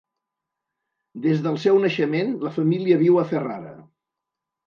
Des del seu naixement, la família viu a Ferrara.